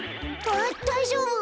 あっだいじょうぶ？